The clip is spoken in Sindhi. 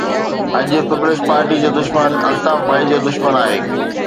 اڄ پيپلز پارٽي جو دشمن الطاف ڀائي جو دشمن آهي